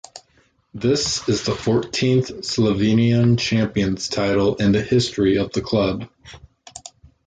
This is the fourteenth Slovenian champions title in the history of the club.